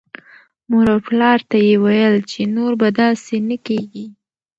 مور او پلار ته یې ویل چې نور به داسې نه کېږي.